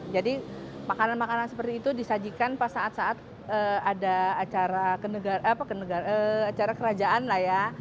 jadi makanan makanan seperti itu disajikan pas saat saat ada acara kerajaan lah ya